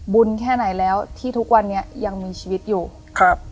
แค่ไหนแล้วที่ทุกวันนี้ยังมีชีวิตอยู่ครับ